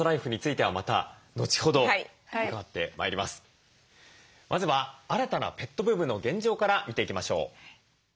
まずは新たなペットブームの現状から見ていきましょう。